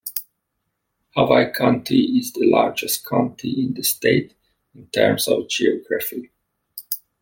Hawaii County is the largest county in the state, in terms of geography.